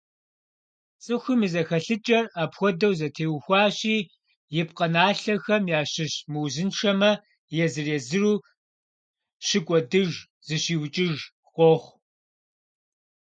ЦӀыхум и зэхэлъыкӀэр апхуэдэу зэтеухуащи, и пкъыналъэхэм ящыщ мыузыншэмэ, езыр-езыру щыкӀуэдыж, «зыщиукӀыж» къохъу.